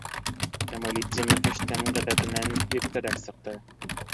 Камалетдинов эштән ғәҙәтенән иртәрәк сыҡты.